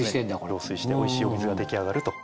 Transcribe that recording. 浄水しておいしいお水が出来上がると。